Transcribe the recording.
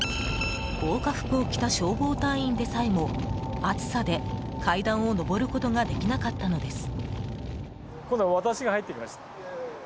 防火服を着た消防隊員でさえも熱さで階段を上ることができなかったのです。